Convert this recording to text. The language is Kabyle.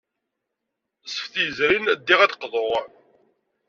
Ssebt yezrin, ddiɣ ad d-qḍuɣ.